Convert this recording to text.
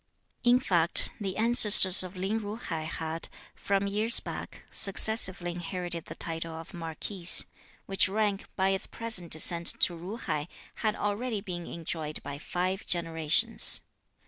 In fact, the ancestors of Lin Ju hai had, from years back, successively inherited the title of Marquis, which rank, by its present descent to Ju hai, had already been enjoyed by five generations.